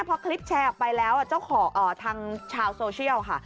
พอคลิปแชร์ออกไปแล้วเจ้าของทางชาวโซเชียลค่ะ